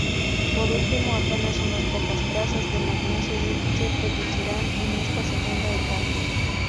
Por último, apenas unas pocas trazas de magnesio se producirán en esta segunda etapa.